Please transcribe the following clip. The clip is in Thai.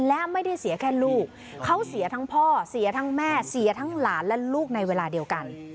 และไม่ได้เสียแค่ลูกเขาเสียทั้งพ่อเสียทั้งแม่เสียทั้งหลานและลูกในเวลาเดียวกัน